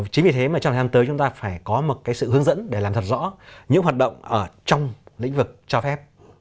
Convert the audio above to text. chính vì thế mà trong thời gian tới chúng ta phải có một sự hướng dẫn để làm thật rõ những hoạt động ở trong lĩnh vực cho phép